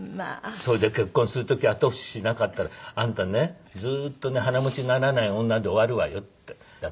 それで結婚する時後押ししなかったら「あんたねずっとね鼻持ちならない女で終わるわよ」って私が言ったんですよ。